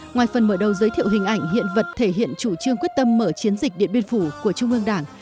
ngoài phần mở đầu giới thiệu hình ảnh hiện vật thể hiện chủ trương quyết tâm mở chiến dịch điện biên phủ của trung ương đảng